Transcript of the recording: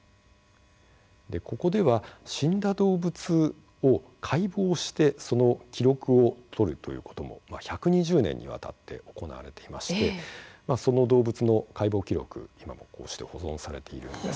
ここでは死んだ動物を解剖してその記録を取るということも１２０年にわたって行われていましてその動物の解剖記録、今もこうして保存されているんです。